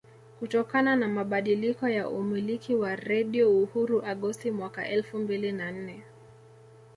Kutokana na mabadiliko ya umiliki wa Radio Uhuru Agosti mwaka elfu mbili na nne